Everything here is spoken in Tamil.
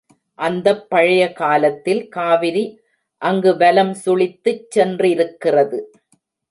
அந்தப் பழைய காலத்தில் காவிரி அங்கு வலம் சுழித்துச் சென்றிருக்கிறது.